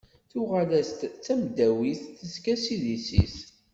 Tuɣal-as d tamdawit tezga s idis-is.